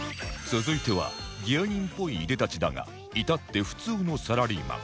続いては芸人っぽいいでたちだが至って普通のサラリーマン